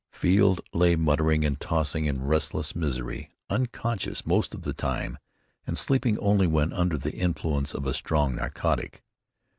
Field lay muttering and tossing in restless misery, unconscious most of the time, and sleeping only when under the influence of a strong narcotic.